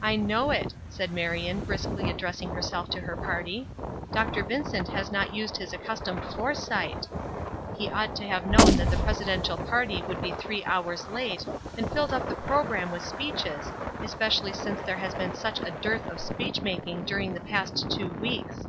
"I know it," said Marion, briskly addressing herself to her party. "Dr. Vincent has not used his accustomed foresight. He ought to have known that the presidential party would be three hours late, and filled up the programme with speeches, especially since there has been such a dearth of speech making during the past two weeks.